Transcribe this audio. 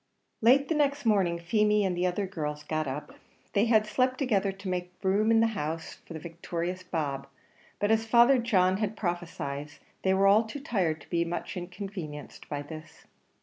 Late the next morning, Feemy and the other girls got up; they had slept together to make room in the house for the victorious Bob, but as Father John had prophesied, they were all too tired to be much inconvenienced by this.